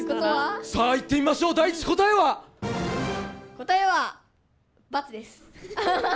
答えは×です。